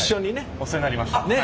お世話になりました。